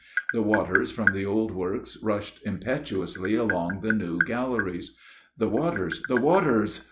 The waters from the old works rushed impetuously along the new galleries. "The waters, the waters!"